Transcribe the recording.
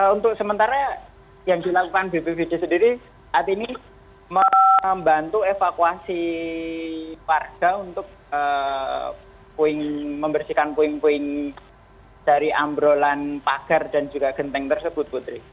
untuk sementara yang dilakukan bpbd sendiri saat ini membantu evakuasi warga untuk membersihkan puing puing dari ambrolan pagar dan juga genteng tersebut putri